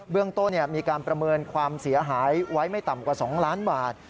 เรื่องต้นมีการประเมินความเสียหายไว้ไม่ต่ำกว่า๒ล้านบาท